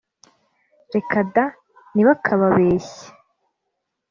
Reka da. Ntibakababeshye.